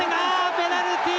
ペナルティ！